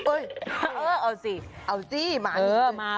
เออเอาสิเอาสิมานี่